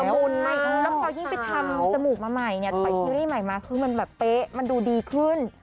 แล้วพอยิ่งไปทำจมูกมาใหม่ไปที่ใหม่มากมันแล้วเป๊ะมันดูดีขึ้น